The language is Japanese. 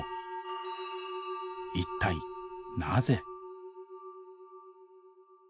一体なぜ？